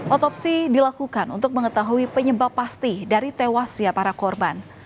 otopsi dilakukan untuk mengetahui penyebab pasti dari tewasnya para korban